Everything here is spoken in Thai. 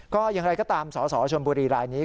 ก็อย่างไรก็ตามสสชนบุรีรายนี้